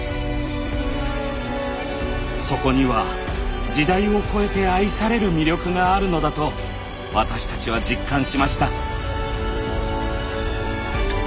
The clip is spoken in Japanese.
そこには時代を超えて愛される魅力があるのだと私たちは実感しました。